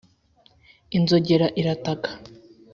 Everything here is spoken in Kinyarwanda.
inzogera irataka,